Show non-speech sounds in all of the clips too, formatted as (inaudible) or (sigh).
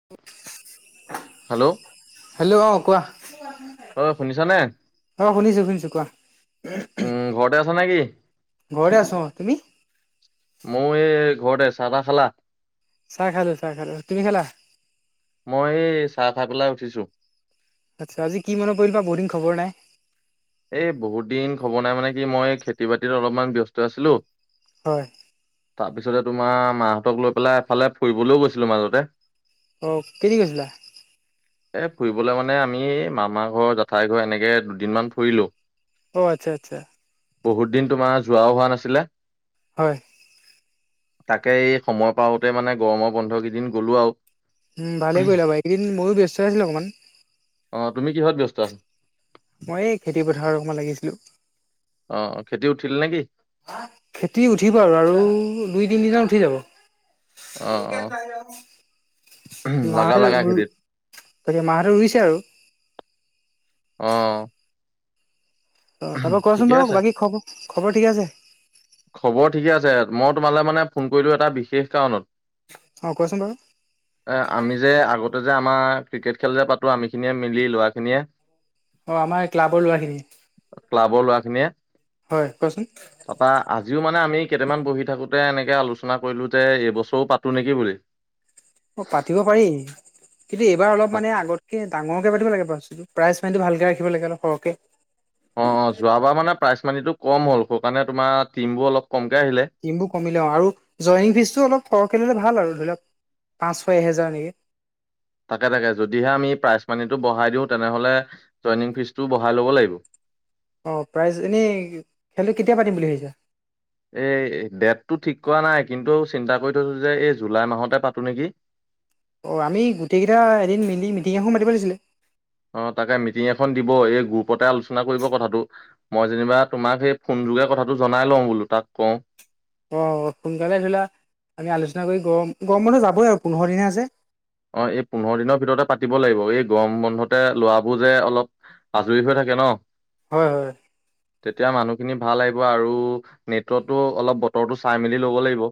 (unintelligible) Hello hello অ কোৱা? অ শুনিছানে অ শুনিছোঁ শুনিছোঁ, কোৱা? উ ঘৰতে আছ নে কি? ঘৰতে আছো অ, তুমি? ময়ো এ ঘৰতে। চাহ তাহ খালা? চাহ খালো, চাহ খালো। তুমি খালা? মই এ চাহ খাই পেলাই উঠিছো। আত্চ্ছা আজি কি মনত পৰিলে বা বহুত দিন খবৰ নাই। এই বহুত দিন খব নাই মানে কি মই খেতি বাতিত অলপমান ব্যস্ত আছিলো। হয়। তাৰপিছতে তোমাৰ মাহঁতক লৈ পেলাই এফালে ফুৰিবলৈও গৈছিলো মাজতে। অ কেতি গৈছিলা? এ ফুৰিবলে মানে আমি মামা ঘৰ জেঠাই ঘৰ এনেকে দুদিনমান ফুৰিলো। অ আত্চ্ছা আত্চ্ছা। বহুত দিন তোমাৰ যোৱাও হোৱা নাছিলে। হয়। তাকে এই সময় পাওঁতে মানে গৰমৰ বন্ধ কেইদিন গ'লো আও। ভালেই কৰিলা বা এইকেইদিন ময়ো ব্যস্ত আছিলো অকণমান। অ তুমি কিহত ব্যস্ত আছা। মই এই খেতি পথাৰ অকণমান লাগিছিলো অ খেতি উঠিল নে কি খেতি উঠিব আৰু আৰু দুই তিনিদিনত উঠি যাব অ অ (unintelligible) মা লাগা হতে লাগা ৰুই খেতিত গতিকে মাহটো ৰুইছে আৰু অ অ তাৰপৰা কচোন ঠিকে বাৰু আছে। বাকী খব খবৰ ঠিকে আছে খবৰ ঠিকে আছে মই তোমালে মানে ফোন কৰিলো এটা বিশেষ কাৰণত অ কোৱাচোন বাৰু এ আমি যে আগতে যে আমাৰ ক্ৰিকেট খেল যে পাতো আমি খিনিয়ে মিলি ল'ৰাখিনিয়ে অ আমাৰ এই ক্লাবৰ ল'ৰাখিনি ক্লাবৰ লোৱাখিনিয়ে হয় কোৱাচোন তাৰাপৰা আজিও মানে আমি কেইটামান বহি থাকোতে এনেকে আলোচনা কৰিলো যে এইবছৰো পাতো নেকি বুলি অ পাতিব পাৰি কিন্তু এইবাৰ অলপ তাক মানে আগতকে ডাঙৰকে পাতিব লাগেটো প্ৰ পানটো ভালকে ৰাখ লাগেল সৰহে অ অ যোৱাবাৰ মানে প্ৰাইজ মানিটো কম হ'ল সেই কাৰণে তোমাৰ টিমবোৰ অলপ কমকে আহিলে টিমবোৰ কমিলে অ আৰু জইনিং ফিজটো অলপ সৰহকৈ ল'লে ভাল আৰু ধৰি লওক পাঁচ ছয় এহেজাৰ নেকি তাকে তাকে যদিহে আমি প্ৰাইজ মানিটো বঢ়াই দিওঁ তেনেহলে জইনিং ফিজ টোও বঢ়াই ল'ব লাগিব অঁ প্ৰাইজ এনেই খেলটো কেতিয়া পাতিম বুলি ভাবিছ এই ডেটতটো ঠিক কৰা নাই কিন্তু চিন্তা কৰি থৈছো যে এই জুলাই মাহতে পাতো নেকি অ আমি গোটেইকেইটা এদিন মিলি মিটিং এখন মাতিব লিছিলে অ তাকে মিটিং এখন দিব এই গ্ৰুপতে আলোচনা কৰিব কথাটো মই যেনিবা তোমাক সেই ফোন যোগে কথাটো জনাই লওঁ বোলো তাত কওঁ অঁ সোনকালে ধৰি লা আমি আলোচনা কৰি গৰম গৰম মানহ যাবই আৰু পোন্ধৰ দিন হে আছে অ এই পোন্ধৰ দিনৰ ভিতৰতে পাতিব লাগিব এই গৰম বন্ধতে লোৱবোৰ যে অলপ আজৰি হৈ থাকে ন হয় হয় তেতিয়া মানুহখিনি ভাল লাগিব আৰু নেটৱটো অলপ বতৰটো চাই মেলি ল'ব লাগিব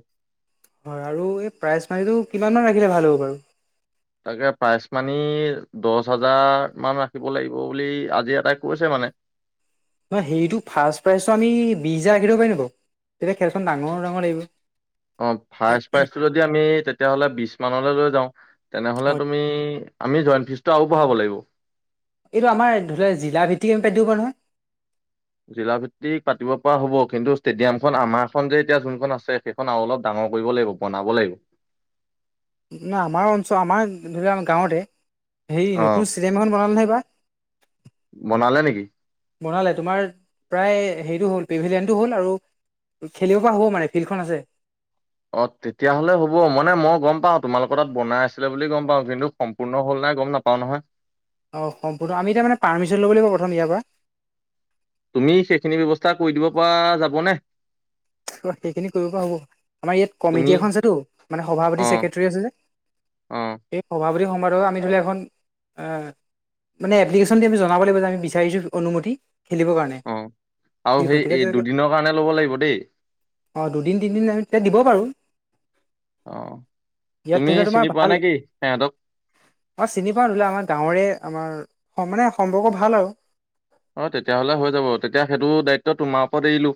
হয় আৰু এই প্ৰাইজ মাৰিটো কিমান ম ৰাখিলে ভাল হ'ব বাৰু তাকে প্ৰাইচ মানি দহ হাজাৰ মান ৰাখিব লাগিব বুলি আজি এটাই কৈছে মানে নহয় সেইটো ফাৰ্ষ্ট প্ৰাইজটো আমি বিশছ হাজাৰ ৰাখি দিব পাৰিমো বাৰু তেতিয়া খেলখন ডাঙৰ ডাঙৰ লাগিব অ ফাৰ্ষ প্ৰাইজটো যদি আমি তেতিয়াহ'লে বিশ মানলৈ লৈ যাওঁ তেনেহলে হয় তুমি আমি জইণ্ট ফিজটো আৰু বঢ়াব লাগিব এইটো আমাৰ ধৰি লোৱা জিলা ভিত্তিক আম পেদিব নহয়। জিলা ভিত্তিক পাতিব পৰা হ'ব কিন্তু ষ্টেডিয়ামখন আমাৰখন যে এতিয়া যোনখন আছে অলপ ডাঙৰ কৰিব লাগিব বনাব লাগিব। নাই আমাৰ অঞ্চল আমাৰ ধৰি লওক গাঁৱতে হেৰি অ', নতুন চিনেমা এখন বনালে নহয় এইবাৰ। বনালে নেকি? বনালে তোমাৰ প্ৰায় হেৰিটো হ'ল প্ৰিভিলিয়ানটো হ'ল আৰু খেলিব পৰা হ'ব মানে ফিল্ডখন আছে। অ তেতিয়াহ'লে হ'ব মানে মই গম পাওঁ তোমালোকৰ তাত বনাই আছিলে বুলি গম পাওঁ কিন্তু সম্পূৰ্ণ হ'ল নাই গম নাপাও নহয়। অ সম্পূৰ্ণ আমি এতিয়া মানে পাৰমিশন ল'ব লাগিব প্ৰথম ইয়াৰ পৰা। তুমি সেইখিনি ব্যৱস্থা কৰি দিব পৰা যাব নে? সেইখিনি কৰিব হ'ব আমাৰ ইয়াত তুমি কমিটি এখন আছেতো মানে সভাপতি অ ছেক্ৰেটৰী আছে যে। অ এই সভাপতি সমাৰ আমি ধৰি লও এখন মানে এপ্লিকেশন আমি জনাব লাগ যে আমি বিচাৰিছো অনুমতি খেলিব কাৰণে। অ আৰু ফিল্ডখন সেই তেতিয়া এই তেওঁলোকে দুদিনৰ কাৰণে ল'ব লাগিব দেই। অ দুদিন তিনিদিন আমি তেতিয়া দিব বাৰো। অ ইয়াত তুমি ধৰি লও চিনি পোৱা নে কি সিহঁতক? মই চিনি পাওঁ ধৰিলেলে আমাৰ গাঁৱৰে আমাৰ মানে সম্পৰ্ক ভাল আৰু। অ তেতিয়াহলে হৈ যাব তেতিয়া সেইটো দায়িত্ব তোমাৰ ওপৰত এৰিলো।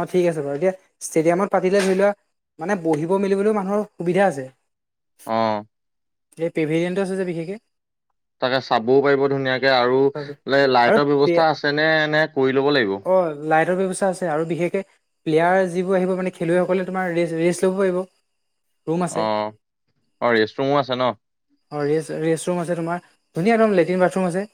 অঁ ঠিক আছে বাৰু এতিয়া ষ্টেডিয়ামত পাতিলে ধৰি লোৱা মানে বহিব মেলিবলৈও মানুহৰ সুবিধা আছে। অ এই প্ৰেভেৰিয়ে আছে যে বিশেষকে। তাকে চাবও পাৰিব ধুনীয়াকে আৰু আৰু লাইটৰ ব্যৱস্থা আছে নে এনে কৰি ল'ব লাগিব? অ লাইটৰ ব্যৱস্থা আছে আৰু বিশেষকে প্লেয়াৰ যিবোৰ আহিব মানে খেলুৱৈসকলে তোমাৰ ৰেষ্ট ৰেষ্ট ল'ব পাৰিব। ৰুম আছে অ অ ৰেষ্ট ৰুমো আছে ন? অ ৰেচ ৰেচ ৰুম আছে তোমাৰ ধুনীয়া একদম লেট্ৰিন বাথৰুম আছে।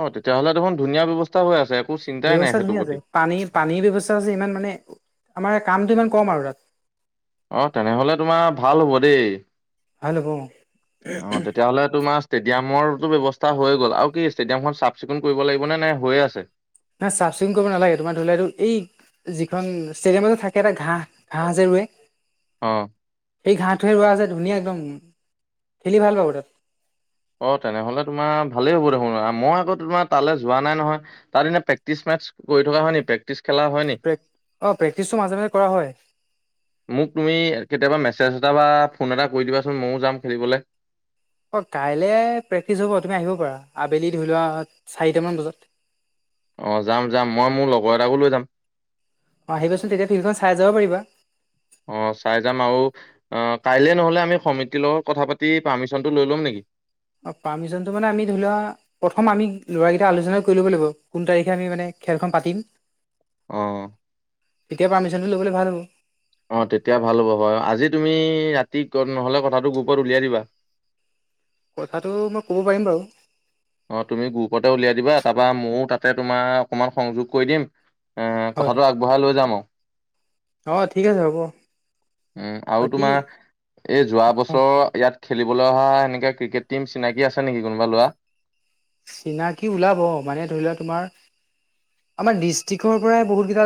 অঁ তেতিয়াহ'লে দেখোন ধুনীয়া ব্যৱস্থা হৈ আছে একো চিন্তাই নাই ব্যৱস্থা সেইটোৰ ধুনীয়া আছে প্ৰতি। পানী পানীৰ ব্যৱস্থা আছে ইমান মানে আমাৰ কামটো ইমান কম আৰু তাত অ তেনেহলে তোমাৰ ভাল হ'ব দেই ভাল হ'ব অ তেতিয়াহলে তোমাৰ ষ্টেডিয়ামৰো ব্যৱস্থা হৈ গ'ল আৰু কি ষ্টেডিয়ামখন চাফ চিকুণ কৰিব লাগিব নে নে হৈয়ে আছে? না চাফ চিকুণ কৰিব নালাগে সটোমান ধৰি ললে আৰু এই যিখন ষ্টেডিয়ামতে থাকে এটা ঘাঁহ ঘাঁহ যে ৰুৱে। অ সেই ঘাঁহটোহে ৰোৱা যে ধুনীয়া একদম খেলি ভাল পাব তাত। অ তেনেহলে তোমাৰ ভালেই হ'ব দেখোন মই আকৌ তোমাৰ তালৈ যোৱা নাই নহয়। তাৰ দিনে প্ৰে্টিচ মেচ কৰি থকা হয় নি প্ৰেক্টিচ খেলা হয় ন নি? প্ৰেক অ প্ৰেক্টিচটো মাজে মাজে কৰা হয়। মোক তুমি কেতিয়াবা মেছেজ এটা বা ফোন এটা কৰি দিবাচোন ময়ো যাম খেলিবলৈ। অ কাইলে প্ৰেক্টিচ হ'ব তুমি আহিব পাৰা আবেলি ধৰি লোৱা চাৰিটামান বজাত। অ যাম যাম মই মোৰ লগৰ এটাকো লৈ যাম। অঁ আহিবাচোন তেয়া ফিলডখন চাই যাব পাৰিবা। অ চাই যাম আ অ কাইলে নহ'লে আমি সমিতিৰ লগত কথা পাতি পাৰ্মিচনটো লৈ ল'ম নেকি? অঁ পাৰ্মিশ্যনটো মানে আমি ধৰি লোৱা প্ৰথম আমি ল'ৰাকেইটা আলোচনা কৰি ল'ব লাগিব কোন তাৰিখে আমি মানে খেলখন পাতিম। অ তেতিয়া পাৰমিচনটো ল'বলে ভাল হ'ব। অ তেতিয়া ভাল হ'ব হয় আজি তুমি ৰাতি নহ'লে কথাটো গ্ৰুপত উলিয়াই দিবা। কথাটো মই ক'ব পাৰিম বাৰু। অ তুমি গ্ৰুপতে উলিয়াই দিবা তাৰপা ময়ো তাতে তোমাৰ অকণমান সংযোগ কৰি দিম এ হয় কথাটো আগবঢ়াই লৈ যাম আৰু অ ঠিক আছে হ'ব উম আৰু বাকী তোমাৰ এই যোৱা অ বছৰ ইয়াত খেলিবলৈ অহা সেনেকা ক্ৰিকেট টিম চিনাকি আছে নেকি কোনোবা লৰা। চিনাকি ওলাব মানে ধৰি লোৱা তোমাৰ আমাৰ ডিষ্ট্ৰিক্টৰ পৰাই বহুতকেইটা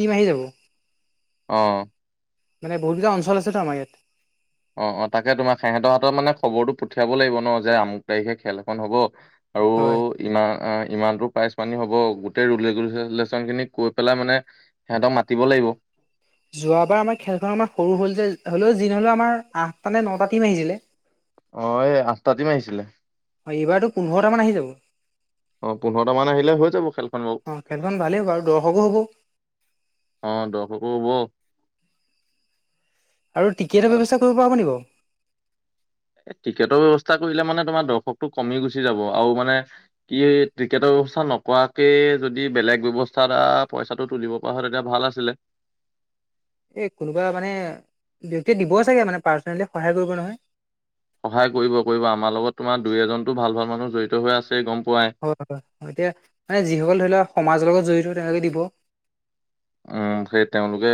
টিম আহি যাব অঁ মানে বহুত কেইটা অঞ্চল আছে ত আমাৰ ইয়াত অ অ তাকে তোমাৰ সিহঁতৰ হাতৰ মানে খবৰটো পঠিয়াব লাগিব ন যে আমুক তাৰিখে খেল এখন হব আৰু হয় ইমান ইমানতটো প্ৰাইচ পানী হ'ব গোটেই ৰুল (unintelligible) খিনি কৈ পেলাই মানে সিহঁতক মাতিব লাগিব যোৱাবাৰ আমাৰ খেলখন আমাৰ সৰু হ'ল যে হ'লেও যি নহলেও আমাৰ আঠটা নে নটা টিম আহিছিলে অ এই আঠটা টিম আহিছিলে হয় এইবাৰতো পোন্ধৰটা মান আহি যাব অ পোন্ধৰটা মান আহিলে হৈ যাব খেলখন বাৰু অ খেলখন ভালেই হ'ব আৰু দৰ্শকো হ'ব (unintelligible) হব আৰু টিকেটৰ তাত ব্যৱস্থা কৰিব পৰা হ'ব নি বাৰু টিকেটৰ ব্যৱস্থা কৰিলে মানে তোমাৰ দৰ্শকটো কমি গুচি যাব আৰু মানে কি ক্ৰিকেটৰ ব্যৱস্থা নকৰাকে যদি বেলেগ ব্যৱস্থা আ পইচাটো তুলিব কোৱা হয় এতিয়া ভাল আছিলে এই কোনোবা মানে ব্যক্তিয়ে দিব চাগে মানে পাৰ্চনেলি সহায় কৰিব নহয় সহায় কৰিব কৰিব আমাৰ লগত তোমাৰ দুই এজনতো ভাল ভাল মানুহ জড়িত হৈ আছে গম পোৱাই হয় হয় হয় এতিয়া মানে যিসকল ধৰি লওক সমাজৰ লগত জড়িত তেওঁলোকে দিব উম সেই তেওঁলোকে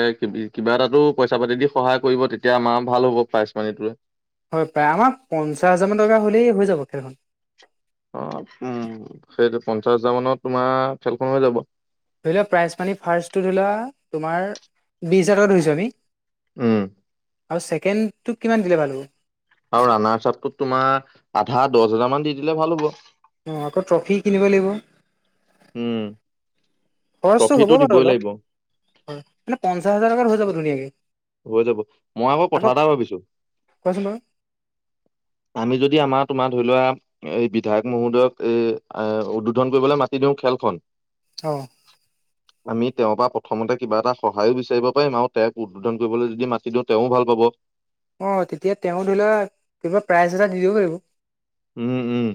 কিবা এটাতো পইচা পাতি দি সহায় কৰিব তেতিয়া আমাৰ ভাল হ'ব পাইচ পানীটোৱে হয় প্ৰায় আমাৰ পঞ্চাছ হাজাৰ মান টকা হ'লেই হৈ যাব খেলখন অ উম সেইটো পঞ্চাশ হাজাৰ মানত তোমাৰ খেলখন হৈ যাব ধৰি লোৱা প্ৰাইজ মানি ফাৰ্ষ্টটো ধৰি লোৱা তোমাৰ বিছ হাজাৰ টকা ধৰিছোঁ আমি উম আৰু ছেকেণ্ডটোক কিমান দিলে ভাল হব আৰু ৰানাৰ চাপটোত তোমাৰ আধা দহ হাজাৰ মান দি দিলে ভাল হ'ব অঁ আকৌ ট্ৰফি কিনিব লাগিব উম, খৰচটো হ'ব ট্ৰফিটো বাৰু দিবই অলপ লাগিব হয় মানে পঞ্চাশ হাজাৰকাৰ হৈ যাব ধুনীয়া আকে হৈ যাব মই আকৌ কথাএটা ভাবিছো কোৱাচোন বাৰু আমি যদি আমাৰ তোমাৰ ধৰি লোৱা এই বিধায়ক মহোদয়ক এ উদ্বোধন কৰিবলৈ মাতি দিওঁ খেলখন অঁ আমি তেওঁৰ পৰা প্ৰথমতে কিবা এটা সহায়ো বিচাৰিব পাৰিম আৰু তেওঁক উদ্ধোধন কৰিবলৈ যদি মাতি দিওঁ তেওঁও ভাল পাব অ তেতিয়া তেওঁ ধৰি লোৱা কিবা প্ৰাইজ এটা দি দিব পাৰিব উম উম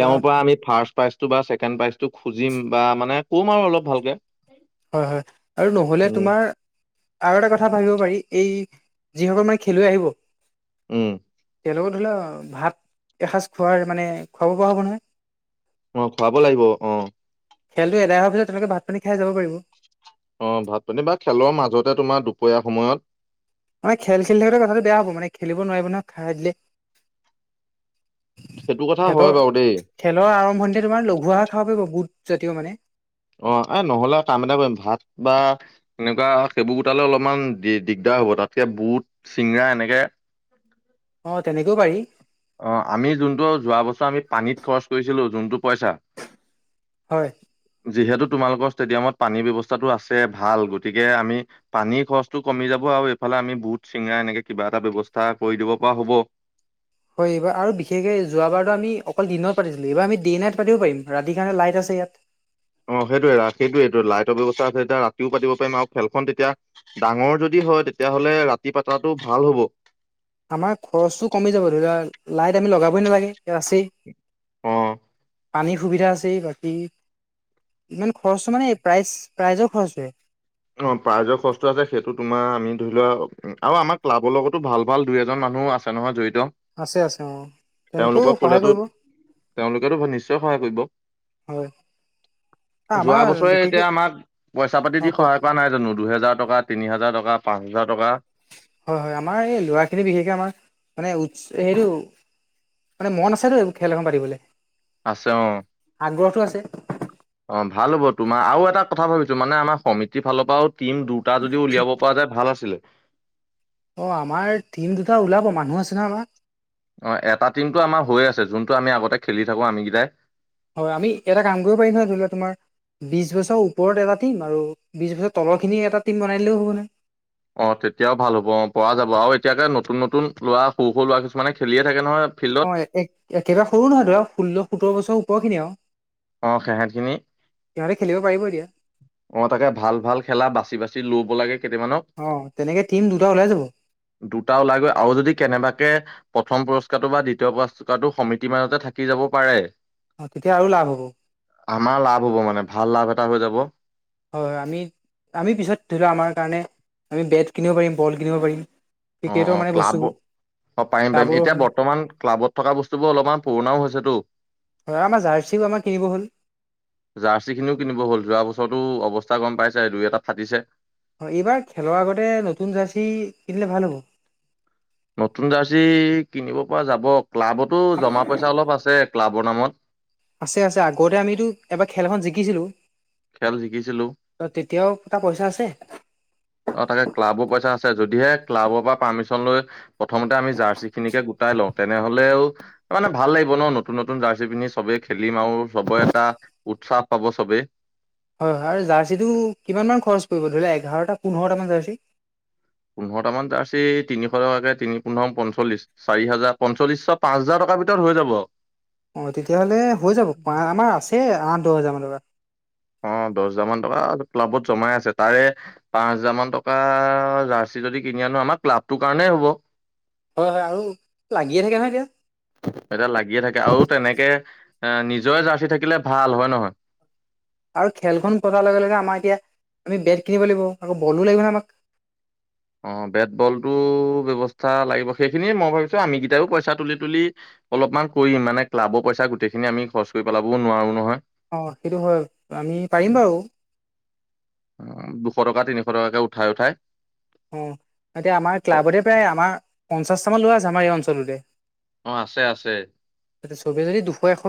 বা পৰা আমি ফাৰ্ষ্ট প্ৰাইজটো বাছেকেণ্ড প্ৰাইজটো খুজিম বা মানে ক'ম আৰু অলপ ভালকে হয় হয় আৰু নহ'লে উম তোমাৰ আৰু এটা কথা ভাবিব পাৰি এই যিসকল মানে খেলুৱৈ আহিব উম তেওঁলোকত ধৰি ল ভাত এসাঁজ খোৱাৰ মানে খুৱাব পৰা হ'ব নহয় অ খুৱাব লাগিব অ খেলটো এদাই হোৱা পাছত তেওঁ লোকে ভাত পানী খাই যাব পাৰিব অ ভাত পানী বা খেলৰ মাজতে তোমাৰ দুপৰীয়া সময়ত মানে খেল খেল থাকিলে কথাটো বেয়া হ'ব মানে খেলিব নোৱাৰিব ন খা দিলে। সেইটো কথা খেলৰ হয় বাৰু দেই খেলৰ আৰম্ভণিতে তোমাৰ লঘু আহা খাব পাৰিব বুট জাতীয় মানে। অ এ নহ'লে কাম এটা কৰিম ভাত বা এনেকুৱা সেইবোৰ গোটালে অলপমান দি দিগদাৰ হ'ব তাতকে বুট চিঙৰা এনেকে অ তেনেকৈ পাৰি। অ আমি যোনটো যোৱা বছৰ আমি পানীত খৰচ কৰিছিলো যোনটো পইচা। হয়। যিহেতু তোমালোকৰ ষ্টেডিয়ামত পানীৰ ব্যৱস্থাতো আছে, ভাল গতিকে আমি পানীৰ খৰচটো কমি যাব আৰু এইফালে আমি বুট চিঙৰা এনেকে কিবা এটা ব্যৱস্থা কৰি দিব পৰা হ'ব। হয় এইবা আৰু বিশেষকে যোৱা বাৰ ত আমি অকল দিনত পাতিছিলো এইবাৰ আমি ডেই নাইট পাতিব পাৰিম, ৰাতি কাৰণে লাইট আছে ইয়াত। অ সেইটোয়ে ৰাকেটোয়ে এইটো লাইটৰ ব্যৱস্থা আছে তেতিয়া ৰাতিও পাব পাৰিম আৰু খেলখন তেতিয়া ডাঙৰ যদি হয় তেতিয়াহ'লে ৰাতি পাতাটো ভাল হব। আমাৰ খৰচটো কমি যাব ধৰি লোৱা লাইট আমি লগাবই নালাগে, এইয়া আছেই। অ। পানীৰ সুবিধা আছেই বাকী ইমান খৰচো মানে প্ৰাইজ প্ৰাইজৰ খৰচোৱে অ প্ৰাইজৰ খৰচটো আছে সেইটো তোমাৰ আমি ধৰি ল আও আমাৰ ক্লাবৰ লগতো ভাল ভাল দুই এজন মানুহ আছ- তা নহয় জড়িত। আছে আছে অ তেওঁলোকেও তেওঁলোকক সহায় ক'লেতো কৰিব। তেওঁলোকেতো নিশ্চয় সহায় কৰিব। হয় যোৱা আমাৰ বছৰে এতিয়া বিশেষকে আমাক পইচা পাতি অ দি কোৱা সহায় কৰা নাই জানো দুহেজাৰ টকা, তিনি হাজাৰ টকা, পাঁচ হাজাৰ টকা। হয় হয় আমাৰ এই ল'ৰা খিনি বিশেষকে আমাৰ মানে উৎস এ সেইটো মানে মন আছেটো খেল এখন পাতিবলে। আছে অ। আগ্ৰহটো আছে। অ ভাল হ'ব তোমাৰ আও এটা কথা ভাবিছো মানে আমাৰ সমিতিৰ ফালৰ পৰাও টিম দুটা যদি উলিয়াব পৰা যায় ভাল আছিলে। অ আমাৰ টিম দুটা ওলাব মানুহ আছে নহয় আমাৰ। অ এটা টিমতটো আমাৰ হৈ আছে যোনটো আমি আগতে খেলি থাকো আমি কেইটাই। হয় আমি এটা কাম কৰিব পাৰিম নহয় ধৰি ল তোমাৰ। বিশ বছৰ ওপৰত এটা টিম আৰু বিশ বছৰ তলৰ খিনি এটা টিম বনাই দিলোঁ হ'ব নহয়। অ তেতিয়াও ভাল হ'ব অ পৰা যাব আও এতিয়াকে নতুন নতুন ল'ৰা সৰু সৰু লৰা কিছুমানে খেলিয়ে থাকে নহয়। ফিল্ডত অ একেবাৰে সৰু নহয় ধৰক ষোল্ল সোতৰ বছৰ ওপৰ খিনি আও। অ সেহেতখিনি সিহঁতে খেলিব পাৰিব দিয়া। অ তাকে ভাল ভাল খেলা বাচি বাচি লোব লাগে কেইটামানক। অ তেনেকে টিম দুটা ওলাই যাব দুটা ওলাইগৈ আৰু যদি কেনেবাকে প্ৰথম পুৰস্কাৰটো বা দ্বিতীয় পুৰস্কাৰটো সমিতি মাজতে থাকি যাব পাৰে। অ তেতিয়া আৰু লাভ হ'ব। আমাৰ লাভ হ'ব মানে ভাল লাভ এটা হৈ যাব। হয় হয় আমি আমি পিছত ধৰি লও আমাৰ কাৰণে আমি বেট কিনিব পাৰিম, বল কিনিব পাৰিম। অ ক্ৰিকেটৰ অ মানে ক্লাব বস্তুবোৰ অ পাৰিম পাৰিম টাবৰো এতিয়া হয় বৰ্তমান ক্লাবত থকা বস্তু বোৰ অলপমান পুৰণাও হৈছেতো। হয় আমাৰ জাৰ্চিও আমাৰ কিনিব হ'ল। জাৰ্চি খিনিও কিনিব হ'ল যোৱা বছৰৰতো অৱস্থা গম পাইছে দুই এটাত ফাটিছে। হয় এইবাৰ খেলৰ আগতে নতুন জাৰ্চি কিনিলে ভাল হ'ব। নতুন জাৰ্চি কিনিব পৰা যাব ক্লাবতো জমা পইচা অলপ আছে ক্লাবৰ নামত আছে আছে আগতে আমিতো এবাৰ খেল এখন জিকিছিলো খেল যিকিছিলো ত তেতিয়াওটা পইচা আছে অ তাকে ক্লাবৰ পইচা আছে যদিহে ক্লাবৰ পৰা পাৰ্মিশচন লৈ প্ৰথমতে আমি জাৰ্চি খিনিকে গোটাই লওঁ তেনেহলেও মানে ভাল লাগিব ন নতুন নতুন জাৰ্চি পিন্ধি চবে খেলিম আৰু চবৰে এটা উৎসাহ পাব চবে। হয় হয় আৰু জাৰ্চিটো কিমান মান খৰচ পৰিব ধৰি লোৱা এঘাৰটা পোন্ধৰটামান জাৰ্চি। পোন্ধৰামান জাৰ্চি তিনিশ টকাকে তিনি পোন্ধৰ ম পঞ্চল্লিছ চাৰি হাজাৰ পঞ্চল্লিশ পাঁচ হাজাৰ টকাৰ ভিতৰত হৈ যাব অঁ তেতিয়াহ'লে হৈ যাব আমাৰ আছে আঠ দহ হেজাৰ মানৰ অ দহ হাজাৰ মান টকা ক্লাবত জমাই আছে তাৰে পাঁচ হাজাৰ মান টকা জাৰ্চি যদি কিনি আনো আমাৰ ক্লাবটোৰ কাৰণেই হ'ব হয় হয় আৰু লাগিয়ে থাকে নহয় এতিয়া এয়া লাগিয়ে থাকে আৰু তেনেকে এ নিজৰে জাৰ্চি থাকিলে ভাল হয় নহয় আৰু খেলখন কজাৰ লগে লগে আমাৰ এতিয়া আমি বেট কিনিব লাগিব আকৌ বলো লাগিব নে আমাক অ বেট বলটোো ব্যয়ৱস্থা লাগিব সেইখিনিয় মই ভাবিছো আমি কেইটাইও পইচা তুলি তুলি অলপমান কৰিম মানে ক্লাবৰ পইচা গোটেইখিনি আমি খৰচ কৰি পেলাবও নোৱাৰো নহয় অ সেইটো হয় আমি পাৰিম বাৰু দুশ টকা তিনিশ টকাকে উঠাই উঠাই অ এতিয়া আমাৰ অ', ক্লাবতে প্ৰায় আমাৰ পঞ্চাছটামান লোৱা আছে আমাৰ এই অঞ্চলটোতে অ আছে আছে ত চবে যদি দুশ এখন